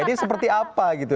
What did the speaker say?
ini seperti apa gitu